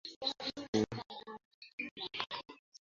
ভীরু মৃত্যুঞ্জয় নিরুত্তর হইয়া ভাবিতে লাগিল।